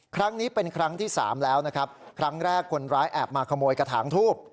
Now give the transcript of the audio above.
ครั้งนี้เป็นครั้งที่สามแล้วนะครับครั้งแรกคนร้ายแอบมาขโมยกระถางทูบ